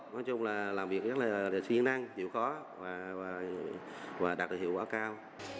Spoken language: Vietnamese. nói chung là làm việc rất là suy nghĩ năng chịu khó và đạt được hiệu quả cao